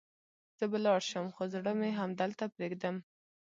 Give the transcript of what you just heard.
زه به لاړ شم، خو زړه مې همدلته پرېږدم.